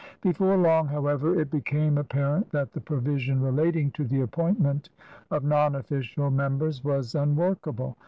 Before long, however, it became apparent that the provision relating to the appointment of non official members was unworkable.